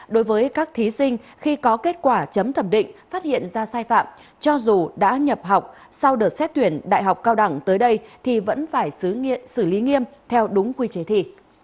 đối với các thí sinh khi có kết quả chấm thẩm định phát hiện ra sai phạm cho dù đã nhập học sau đợt xét tuyển đại học cao đẳng tới đây thì vẫn phải xứ nghiệm xử lý nghiêm theo đúng quy chế thi